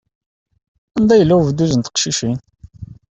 Anda yella ubduz n teqcicin?